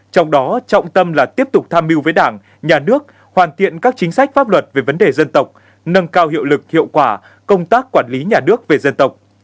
trong đó trọng tâm là tiếp tục tham mưu với đảng nhà nước hoàn thiện các chính sách pháp luật về vấn đề dân tộc nâng cao hiệu lực hiệu quả công tác quản lý nhà nước về dân tộc